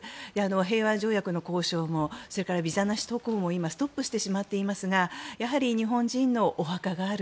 平和条約の交渉もそれからビザなし渡航も今ストップしてしまっていますがやはり日本人のお墓がある